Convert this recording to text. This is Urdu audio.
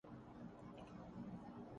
اصلی پاکستانی کون ہے